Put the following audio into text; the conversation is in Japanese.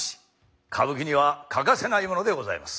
歌舞伎には欠かせないものでございます。